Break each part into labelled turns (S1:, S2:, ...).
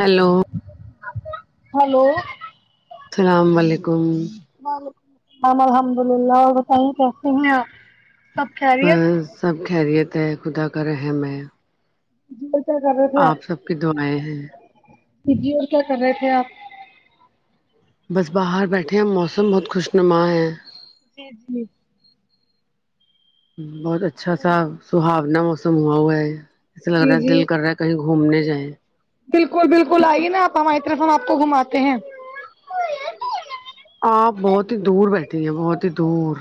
S1: hello
S2: hello
S1: اسلام علیکم
S2: وعلیکم الام الحمد للہ اور بتائیے کیسے ہیےآپ
S1: امم سب خیریت ہے خدا کا رحم ہے
S2: جی اور کیا کر رہے تھے آپ
S1: سب کی دعائیں ہیں
S2: جی اور کیا کر رہے تھے آپ
S1: بس باہر بیٹھے ہیں موسم بہت خوش نما ہیں
S2: جی جی
S1: بہت اچھا سا سہانا موسم ہوا ہوا ہے ایسا لگ
S2: جی
S1: رہا ہے دل
S2: جی
S1: کر رہا کہیں گھومنے جائیں
S2: بالکل بالکل آئیے نا آپ ہماری طرف ہم آپ کو گھماتے ہیں
S1: آپ بہت ہی دور بیٹھے ہیں بہت ہی دور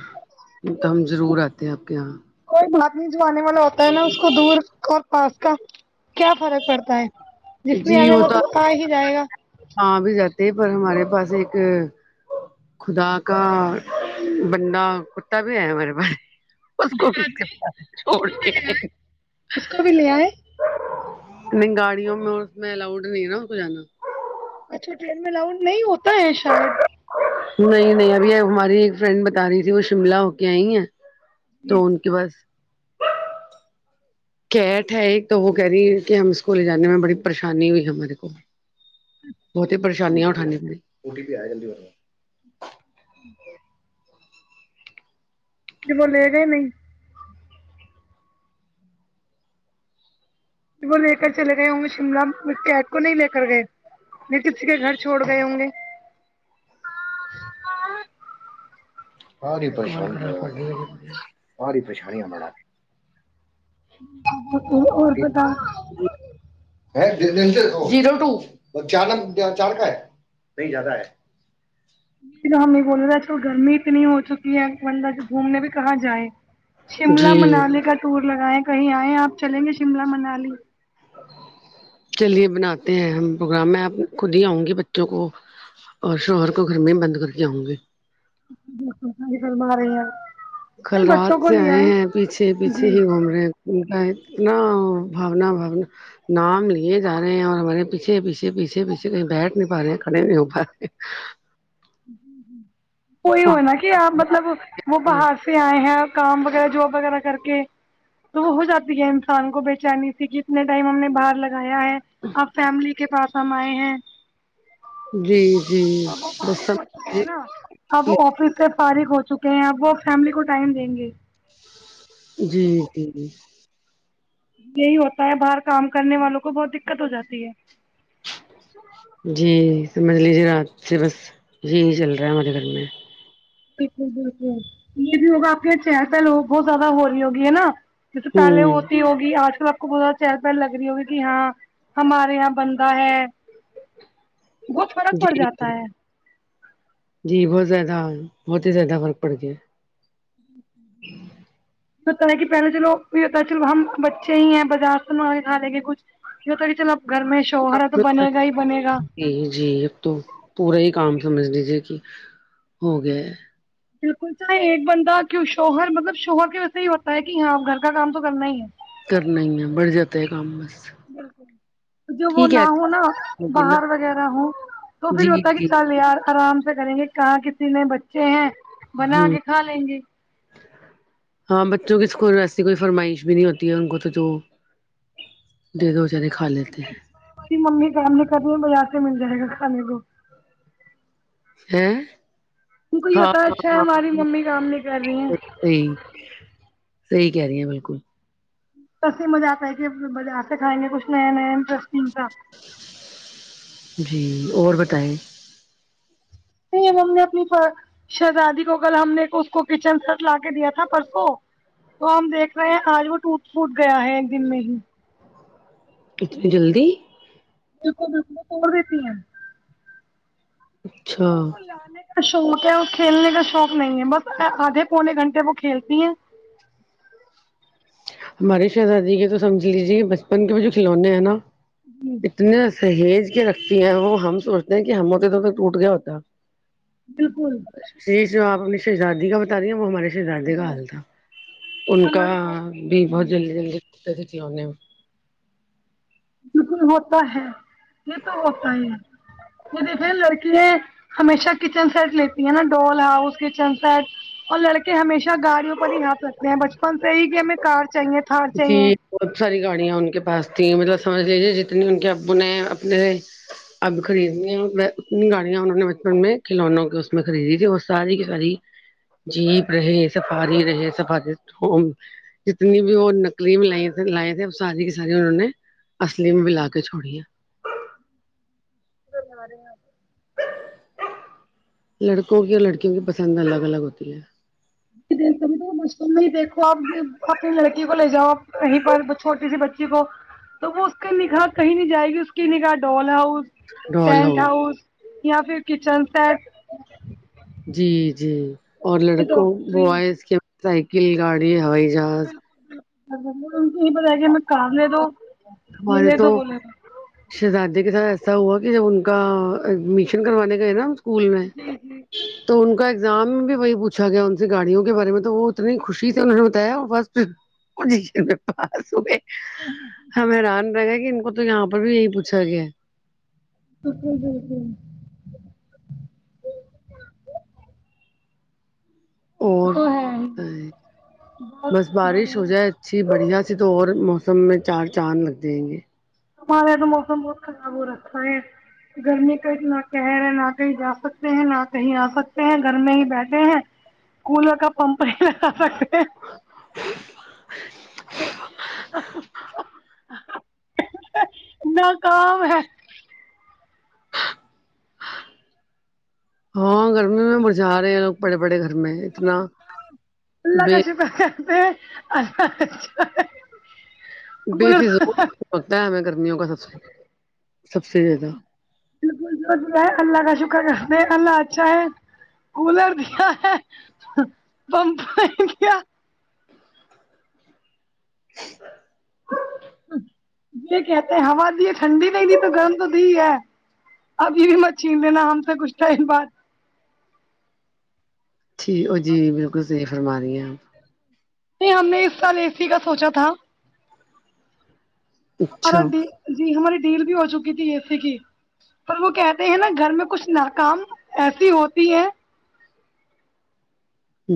S1: تو ہم ضرور آتے ہیں آپ کے یہاں
S2: کوئی بات نہیں جو آنے والا ہوتا ہے نا اس کو دور اور پاس کا کیا فرق پڑتا ہے جس میں
S1: جی
S2: آنے
S1: وہ
S2: میں تو آ ہی جائے گا
S1: ہاں آبھی جاتے ہیں پر ہمارے پاس ایک خدا کا بندہ کتا بھی ہے ہمارے پاس اس کو کس کے پاس چھوڑ کےآے
S2: اس کو بھی لے آئے
S1: نہیں گاڑیوں میں اس میں الاؤڈ نہیں ہے نا اس کو جانا
S2: اچھا ٹرین میں لاؤڈ نہیں ہوتا ہے شاید
S1: نہیں نہیں ابھی ہماری ایک فرینڈ بتا رہی تھی وہ شملہ ہو کے آئی ہیں تو ان کے پاس کیٹ ہے ایک تو وہ کہہ رہی ہے کہ ہم اسکو لےجانے میں بڑی پریشانی ہوئی ہمارے کو بہت ہی پریشانیاں اٹھانی پڑی
S2: جی وہ لےگے ہی نہیں وہ لے کر چلے گئے ہوں شملہ کیٹ کو نہیں لے کر گئے میں کسی کے گھر چھوڑ گئے ہوں گے
S1: [unintelligible] ساری پریشانی ساری پریشانی ہے مڑا
S2: [inaudible] اور بتا
S1: جی چار کا ہے نہیں زیادہ ہے
S2: ہم یہ بول رہے تھے گرمی اتنی ہو چکی ہے بندہ جو گھومنے بھی کہاں جائیں شملہ
S1: جی
S2: منالی کا ٹور لگائےیں کہیں آئئے آپ چلیں گے شملہ منالی
S1: چلیے بناتے ہیں ہم پروگرام میں خود ہی آؤں گی بچوں کو اور شوہر کو گھر میں ہی بند کر کے آؤں گے
S2: [inaudible] اری ف مارے گ
S1: کل رات سے آئے ہیں پیچھے پیچھے
S2: جی
S1: ہی گھوم رہے ہیں ان کاا اتنا بھاونا بھاونا نام لیے جا رہے ہیں اور ہمارے پیچھے پیچھے پیچھے پیچھے کہیں بیٹھ نہیں پا رہے ہیں کھڑے نہیں ہو پا رہے
S2: کوئی ہو نا کہ آپ مطلب وہ باہر سے آئے ہیں آپ کام وغیرہ جواب وغیرہ میں کر کے تو وہ ہو جاتی ہے انسان کو بےچانی سی کہ اتنے ٹائم ہم نے باہر لگ گیا ہے اب فیملی کے پاس ہم آئے ہیں
S1: جی ش جی بس
S2: فارغ
S1: سب
S2: ہو چکے ہے نا
S1: جی
S2: اب آفس سے فارغ ہو چکے ہیں اب وہ فیملی کو ٹائم دیں گے
S1: جی ش جی ش جی
S2: یہی ہوتا ہے باہر کام کرنے والوں کو بہت دکت ہو جاتی ہے
S1: جی سمجھ لیجیے آج چرس یہی چل رہا ہے ہمارے گھر میں
S2: بالکل بالکل یہ بھی ہوگا آپنی چار سال بہت زیادہ ہو رہی ہوگی ہے نا جس پہلے
S1: ہوں
S2: ہوت ہوتی آج کل آپ کو بت چہل پہل لگ رہی ہوگی ہاں کہ ہاں ہمارے یہاں بندہ ہے
S1: سس سس
S2: بت فرق پڑجاتا ہے
S1: جی بہت زیادہ بہت ہی زیادہ فرق پڑ گیا ہے ہی
S2: ہوتا ہے کہ پہلے چلویہ ہوتا ہے چلو ہم بچے ہی ہیں بازار سے مانگا کے کھالینگے کچھ یہ تو ہوتا کی چلو اب گھر میں شوہر ہے تو بنے گا ہی بنے گا
S1: جی جی ایک تو پورا ہی کام سمجھ لیجیے کہ ہو گیا ہے
S2: بالکل چاہے ایک بندہ کیوں شوہر مطلب شوہر کے ویسے ہی ہوتا ہے کہ ہاں گھر کا کام تو کرنا ہی ہے
S1: کرنا ہی ہے بڑھ جاتا ہے کام بس
S2: بالکل جو وہ
S1: ٹھیک ہے
S2: نہ ہو نا
S1: اچھا نا
S2: باہر وغیرہ ہو تو
S1: جی
S2: پھر ہوتا ہے کہ
S1: جی
S2: چل یار آرام سے کریں گے کہاں کسی نے بچے ہیں بنا
S1: ہوں
S2: کے کھا لیں گے
S1: ہاں بچوں کے اسکول میں ایسی کوئی فرمائش بھی نہیں ہوتی ہے ان کو جو دے دو جو کھا لیتے ہیں
S2: اس کی ممی کام نہیں کر رہی بازار سے مل جائے گا کھانے کو
S1: ہیں
S2: ان کو یہ
S1: ہاں
S2: ہوتا
S1: ہاں
S2: اچھا ہے
S1: ہاں
S2: ہماری ممی کام نہیں کر رہی ہیں
S1: صحیح جی صحیح کہہ رہی ہیں بالکل
S2: ٹس سے مزہ آتا ہے کہ بازار سے کھائیں گے کچھ نیا نیا انٹرسٹنگ سا
S1: جی اور بتائیں
S2: [unintelligible] شہزادی کو کل ہم نے اس کو کچن سٹ لا کے دیا تھا پرسوں تو ہم دیکھ رہے ہیں آج وہ ٹوٹ پھوٹ گیا ہے ایک دن میں ہی
S1: اتنی جلدی
S2: [unintelligible] توڑ دیتی ہیں
S1: اچھا
S2: اس کو لانے کا شوق ہے اور کھیلنے کا شوق نہیں ہے بس آدھے پونے گھنٹے وہ کھیلتی ہیں
S1: ہماری شہزادی کے تو سمجھ لیجیے بچپن کے جو کھلونے ہیں نا
S2: جی
S1: اتنے سہیج کے رکھتی ہیں وہ ہم سوچتے ہیں کہ ہم ہوتے تو وہ ٹوٹ گیا ہوتا
S2: بالکل
S1: ش جو آپ اپنی شہزادی کا بتا دیا وہ ہمارے شہزادے کا حال تھا ان کا
S2: ہمارے
S1: بہت جلدی جلدی ٹوٹتے تھے کھلونے
S2: بک میں ہوتا ہے یہ تو ہوتا ہے یہ دیکھے لڑکیاں ہمیشہ کچن سیٹ لیتی ہیں نا ڈول ہاؤس کچن سیٹ اور لڑکے ہمیشہ گاڑیوں پر ہی ہاتھ رکھتے ہیں بچپن سے یہی کہ ہمیں کار چاہیے تھار چاہیے
S1: جی بہت ساری گاڑیاں ان کے پاس تیں مطلب سمجھ لیجیے جتنی ان کے ابو نے اپنے اب خریدنی ہیں اتنی گاڑیاں انہوں نے بچپن میں کھلونوں کے اس میں خریدی تھی اور ساری کی ساری جیپ رہے سفاری رہے سفا چٹ ہو جتنی بھی وہ نقلی لائیں تھے لائیں تھے ساری کی ساری انہوں نے اصلی میں ملا کے چھوڑی ہیں
S2: ہم ا رہے ہیں ہم
S1: لڑکوں کی اور لڑکیوں کی پسند الگ الگ ہوتی ہے
S2: دیکھو بچپن میں ہی دیکھو آپ اپنی لڑکی کو لے جاؤ کہی پر چھوٹی سی بچی کو تو وہ اس کے نگاہ کہیں نہیں جائے گی اس کی نگاح ڈول ہاؤس ٹینٹ ہاؤس یا پھر کچن سیپ
S1: جی جی اور لڑکوں
S2: ڈاکٹری
S1: بوائز کے سائیکل گاڑی ہوائی جہاز
S2: [unintelligible] ہمیں کار لے دو یہ
S1: ہمارے
S2: لے
S1: تو
S2: دو بولے
S1: شہزادے کے ساتھ ایسا ہوا کہ جب ان کا ایڈمیشن کروانے گئے نا اسکول میں
S2: جی جی
S1: تو ان کا ایگزام بھی وہی پوچھ گیا ان سے گاڑیوں کے بارے میں تو وہ اتنی خوشی سے مجھے بتایا بس [unintelligible] ہم حیران رہ گے کہ ان کو تو یہاں پر بھی یہی پوچھا گیا
S2: بالکل بالکل
S1: اور
S2: تو ہے
S1: [unintelligible]
S2: بہت
S1: بس بارش ہو
S2: بڑھیا
S1: جائے جی بڑھیا سے تو اور موسم میں چار چاند لگ جائیں گے
S2: ہمارے یہاں تو موسم بہت خراب ہو رکھا ہے گرمی کا اتنا قہر ہے نہ کہیں جا سکتے ہیں نہ کہیں آ سکتے ہیں گھر میں ہی بیٹھے ہیں کولر کا پمپ [unintelligible] ناکام ہے
S1: ہاں گرمی میں مزے آرہے ہے پڑے پڑے گھرمیں
S2: اللہ کا
S1: بے
S2: شکر ہے الله کا شکر ہے
S1: بے
S2: بالکل
S1: فضول لگتا ہے ہمیں گرمیاں کا سب سے سب سے زیادہ
S2: بالکل جو بھی ہے اللہ کا شکر کر اللہ اچھا ہے کولر دیا ہے پمپ نہیں دیا یہ کہتے ہیں ہوا دی ٹھنڈی نہیں دی تو گرم تو دی ہے اب یہ بھی مت چھین لینا ہم سے کچھ ٹائم بعد
S1: ٹھیک وہ جی بالکل صیح فرما رہی ہیں آپ
S2: نہیں ہم نے اس سال اے سی کا سوچا تھا ہمارا
S1: اچھا
S2: ڈ جی ہماری ڈیل بھی ہو چکی تھی اےسے کی پر وہ کہتے ہیں نا گھر میں کچھ ناکام ایسی ہوتی ہے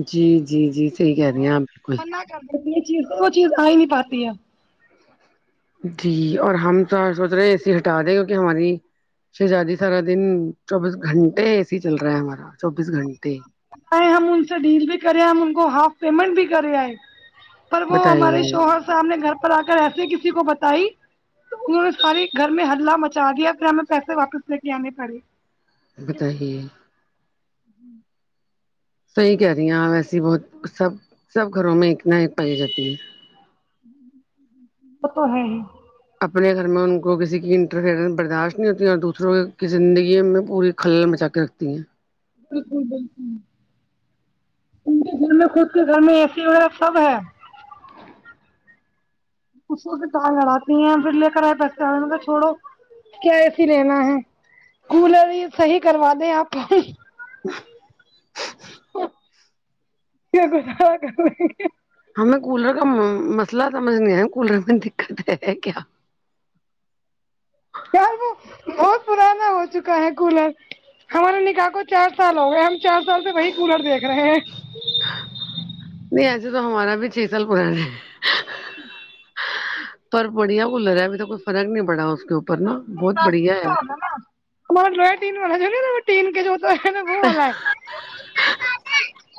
S1: جی جی جی صحیح کہہ رہی ہیں آپ بالکل
S2: یہ چیز وہ چیز آ ہی نہیں پاتی ہے
S1: جی اور ہم سوچ رہے ہیں اے سی ہٹا دیں کیونکہ ہماری شہزادی سارا دن چوبیس گھنٹے اے سے ہی چل رہا ہے ہمارا چوبیس گھنٹے
S2: ہائے ہم ان سے ڈیل بھی کرے ہم ان کو ہاف پیمنٹ بھی کرےائے پر وہ ہمارے
S1: بتائیے
S2: شوہر صاحب نے گھر پر آ کر ایسے کسی کو بتائی انہوں نے ساری گھر میں ہلہ مچا دیا پھر ہمیں پیسے واپس لے کے آنے پڑے
S1: بتائیے
S2: جی
S1: صحیح کہہ رہی ہیں آپ و ایسیے بہت سب سب گھروں میں ایک نہ ایک پائی جاتی ہے
S2: وہ تو ہے ہی
S1: اپنے گھر میں ان کو کسی کی انٹرفیئرنس برداشت نہیں ہوتی اور دوسروں کی زندگی میں پوری ہلہ میں مچا کے رکھتی ہیں
S2: بالکل بالکل ان کے گھر میں خود کے گھر میں اے سی وغیرہ سب ہے اس وقت تو لڑاتی ہیں پھر لے کر آئے پیسے آ تو چھوڑو کیا اے سی لینا ہے کولر ہی صحیح کروا دیں آپ
S1: ہ
S2: کیا گزا کر رہے
S1: ہمیں کولر کا م مسئلہ سمجھ نہیں آ کولر میں دقت ہے کیا
S2: یار وہ
S1: [inaudible]
S2: بہت پرانا ہو چکا ہے کولر ہمارے نکاح کو چار سال ہو گئے ہم چار سال پہ وہی کولر دیکھ رہے ہیں
S1: نہیں ایسے تو ہمارا بھی چھ سال پرانا ہے پر بڑھیا کولر ہے ابھی تو کوئی فرق نہیں پڑا اس کے اوپر نا بہت بڑھیا ہے
S2: ہمارا ڈوین والا جو ہے نا نا وہ تین کے جو تو ہے نا وہ والا ہے
S1: [inaudible]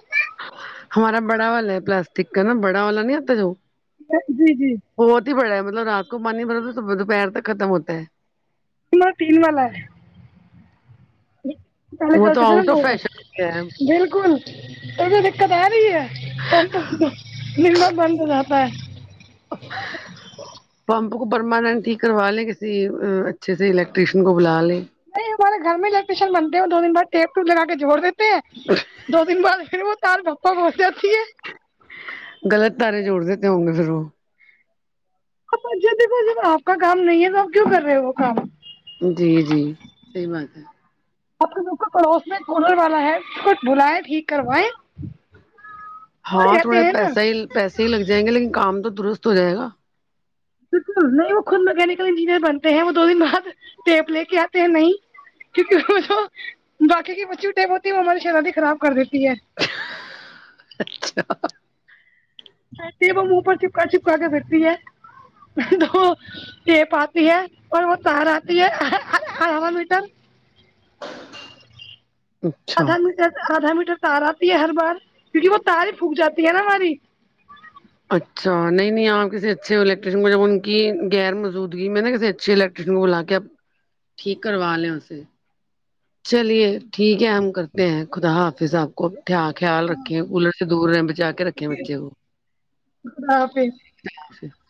S1: ہمارا بڑا والا ہے پلاسٹک کا نا بڑا والا نہیں آتا جو
S2: جی جی
S1: بہت ہی بڑا ہے مطلب رات کو پانی بھرا تھا دوپہر تک ختم ہوتا ہے
S2: نا تین والا ہے
S1: وہ تو آؤٹ آف فیشن ہو گیا ہے
S2: [unintelligible] بالکل داکت آ رہی ہے [unintelligible] من مت بند ہوجاتا
S1: ہاں پمپ کو پرماننٹ ہی کروا لے کسی اچھے سے الیکٹریشین کو بلا لے
S2: نہیں ہمارے گھر میں الیکٹشن بنتے ہیں دو دن بعد ٹیپ ٹوپ لگا کے جوھڑ دیتے ہیں دو دن بعد پھر وہ [unintelligible]
S1: غلط تارے جوڑ دیتے ہوں گے پھر وہ
S2: آپ کا کام نہیں ہے تو کیوں کر رہے ہو وہ کام
S1: جی جی صحی بات ہے
S2: اپ تو بال پڑوس میں کولر والا ہے بلائے ٹھیک کروائے
S1: ہاں تھوڑے پیسہ ہی پیسے ہی لگ جائیں گے لیکن کام تو درست ہو جائے گا
S2: بالکل نہیں وہ خود میکینکل انجینئر بنتے ہیں وہ دو دن بعد ٹیپ لے کے آتے ہیں نہیں کیونکہ وہ جو باقی کی بچی ٹیپ ہوتی ہے وہ ہماری شرادی خراب کر دیتی ہے
S1: اچھا
S2: کہتی ہے وہ منہ پر چپکا چپکا کے پھرتی ہے تو چٹیپ آتی ہے اور وہ تار آتی ہے ہوا میٹر
S1: ہ
S2: آدھا میٹر آدھا میٹر تار آتی ہے ہر بار کیونکہ وہ تار ہی پھک جاتی ہے نا ہماری
S1: اچھا نہیں آپ کسی اچھے الیکٹریشن میں ان کی غیر موجودگی میں نا کسی اچھی بلا کے ٹھیک کروا لیے اسے چلیے ٹھیک ہے ہم کرتے ہیں خدا حافظ آپ کو تھا دھیان خیال رکھے کولر سے دور رہ بچا کے رکھے بچے کو
S2: خدا حافط
S1: [unintelligible]